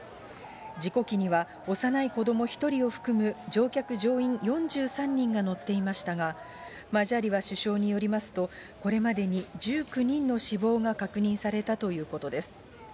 事故機には幼い子ども１人を含む、乗客・乗員４３人が乗っていましたが、マジャリワ首相によりますと、これまでに１９人の死亡が確認されたということです。